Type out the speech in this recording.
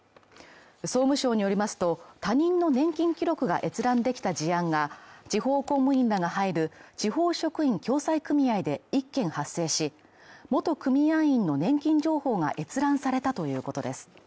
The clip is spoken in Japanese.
総務省によりますと、他人の年金記録が閲覧できた事案が地方公務員らが入る地方職員共済組合で１件発生し、元組合員の年金情報が閲覧されたということです。